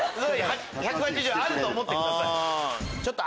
１８０あると思ってください。